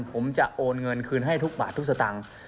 ผมจะโอนเงินคืนให้ทุกบาททุกสตางค์